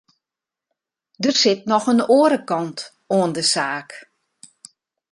Der sit noch in oare kant oan de saak.